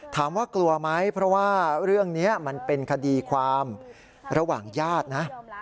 กลัวไหมเพราะว่าเรื่องนี้มันเป็นคดีความระหว่างญาตินะ